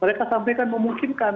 mereka sampaikan memungkinkan